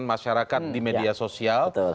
masyarakat di media sosial